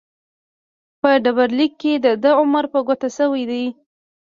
په ډبرلیک کې دده عمر په ګوته شوی دی.